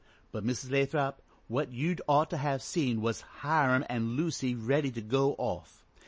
But, Mrs. Lathrop, what you'd ought to have seen was Hiram and Lucy ready to go off.